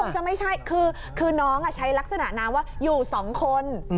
จะไม่ใช่คือน้องใช้ลักษณะน้ำว่าอยู่สองคน